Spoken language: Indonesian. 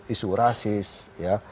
isu rasis ya